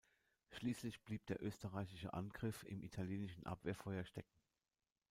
Schließlich blieb der österreichische Angriff im italienischen Abwehrfeuer stecken.